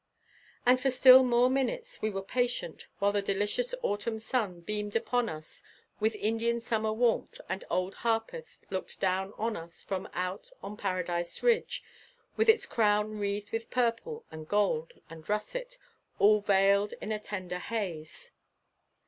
And for still more minutes we were patient while the delicious autumn sun beamed upon us with Indian summer warmth and Old Harpeth looked down on us from out on Paradise Ridge with its crown wreathed with purple and gold and russet, all veiled in a tender haze.